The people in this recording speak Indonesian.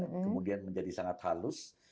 kemudian menjadi sangat halus